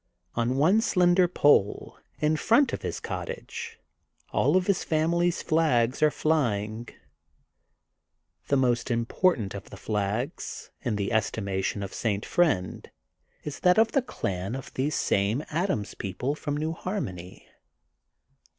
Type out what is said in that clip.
On one slender pole, in front of his cottage, all of his family flags are flying. The most im portant of the flags, in the estimation of St. Friend, is that of the clan of these same Adams people from New Harmony.